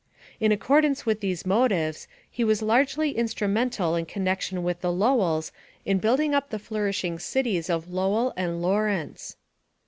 In accordance with these motives, he was largely instrumental in connection with the Lowells in building up the flourishing cities of Lowell and Lawrence.